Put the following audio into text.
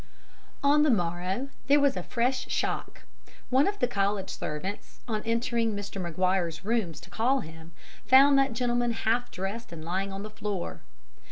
"On the morrow there was a fresh shock. One of the College servants, on entering Mr. Maguire's rooms to call him, found that gentleman half dressed and lying on the floor.